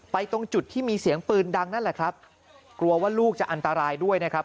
ตรงจุดที่มีเสียงปืนดังนั่นแหละครับกลัวว่าลูกจะอันตรายด้วยนะครับ